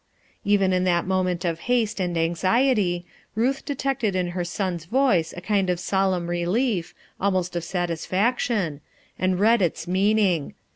Even in that moment of haste and anxietv Ruth detected in her son's voice a kind of sol. emn relief, almost of satisfaction, and read its meaning.